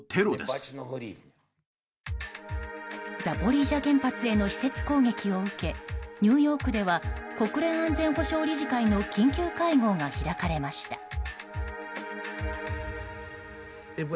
ザポリージャ原発への施設攻撃を受けニューヨークでは国連安全保障理事会の緊急会合が開かれました。